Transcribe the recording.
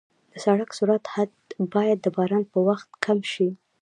د سړک سرعت حد باید د باران په وخت کم شي.